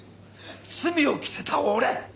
罪を着せた俺！